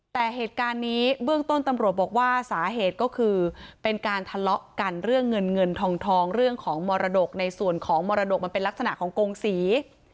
แต่เหตุการณ์นี้เบื้องต้นตำรวจบอกว่าสาเหตุก็คือเป็นการทะเลาะกันเรื่องเงินเงินทองเรื่องของมรดกในส่วนของมรดกมันเป็นลักษณะของกงศรี